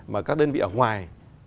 mà các đơn vị ở ngoài